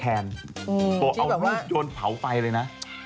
อืมจริงแบบว่าโตะเอารูปโยนเผาไปเลยนะ